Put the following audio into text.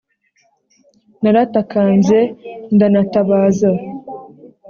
Naratakambye ndanatabaza,